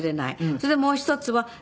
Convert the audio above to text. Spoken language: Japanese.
それでもう１つは必ず。